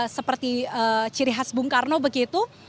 seperti ciri khas bung karno begitu